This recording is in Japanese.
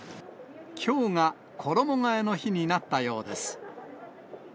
きょうが衣がえの日になったようです。